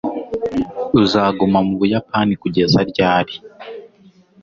uzaguma mu buyapani kugeza ryari